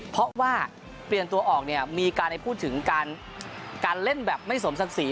เพราะว่าเปลี่ยนตัวออกเนี่ยมีการพูดถึงการเล่นแบบไม่สมศักดิ์ศรี